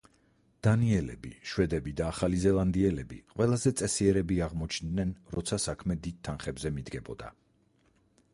დანიელები, შვედები და ახალი ზელანდიელები ყველაზე წესიერები აღმოჩნდნენ, როცა საქმე დიდ თანხებზე მიდგებოდა.